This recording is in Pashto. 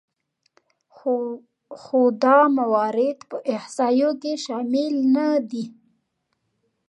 خو دا موارد په احصایو کې شامل نهدي